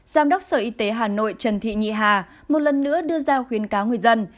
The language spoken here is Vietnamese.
giám đốc sở y tế hà nội trần thị nhị hà một lần nữa đưa ra khuyến cáo người dân